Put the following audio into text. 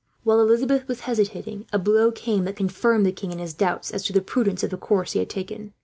While Elizabeth was hesitating, a blow came that confirmed the king in his doubts as to the prudence of the course he had taken.